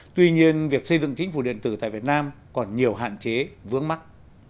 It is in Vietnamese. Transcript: tuy nhiên việc xây dựng chính phủ điện tử tại việt nam còn nhiều hạn chế vướng mắc